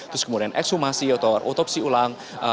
terus kemudian ekshumasi atau otopsi ulang